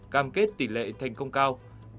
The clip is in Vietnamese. cam kết tỷ lệ thành công cao